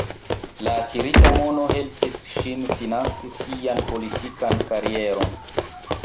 La akirita mono helpis ŝin financi sian politikan karieron.